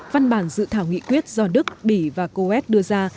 văn bản dự thảo nghị quyết do đức bỉ và coes đưa ra